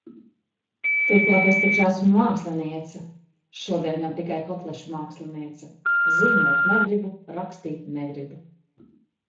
Turklāt es taču esmu māksliniece! Šodien gan tikai kotlešu māksliniece. Zīmēt negribu, rakstīt negribu.